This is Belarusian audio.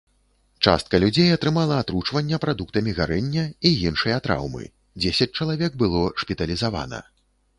Частка людзей атрымала атручвання прадуктамі гарэння і іншыя траўмы, дзесяць чалавек было шпіталізавана.